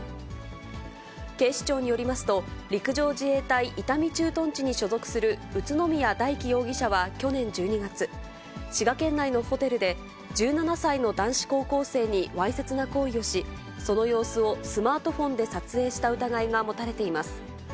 警視庁によりますと、陸上自衛隊伊丹駐屯地に所属する宇都宮大輝容疑者は去年１２月、滋賀県内のホテルで、１７歳の男子高校生にわいせつな行為をし、その様子をスマートフォンで撮影した疑いが持たれています。